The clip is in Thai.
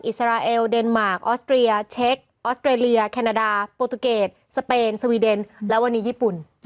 อิสราเอลเดนมาร์คออสเตรียเช็คออสเตรเลียแคนาดาโปรตูเกตสเปนสวีเดนและวันนี้ญี่ปุ่น